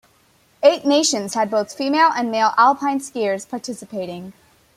Eight nations had both female and male alpine skiers participating.